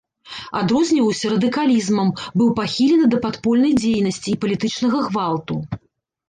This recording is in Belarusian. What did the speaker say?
Адрозніваўся радыкалізмам, быў пахілены да падпольнай дзейнасці і палітычнага гвалту.